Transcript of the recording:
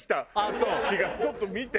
ちょっと見て。